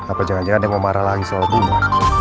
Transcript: apa jangan jangan dia mau marah lagi soal bunga